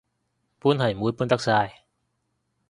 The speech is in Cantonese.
搬係唔會搬得晒